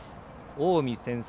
近江先制。